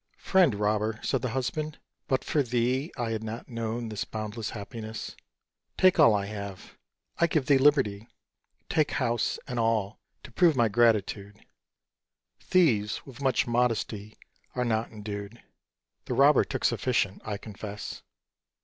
"Friend Robber," said the Husband, "but for thee I had not known this boundless happiness. Take all I have, I give thee liberty; Take house and all, to prove my gratitude." Thieves with much modesty are not endued; The Robber took sufficient, I confess.